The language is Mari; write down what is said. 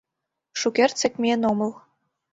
Шукертсек миен омыл.